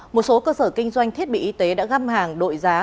một số cơ sở kinh doanh thiết bị y tế đã găm hàng đội giá